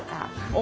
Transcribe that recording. お！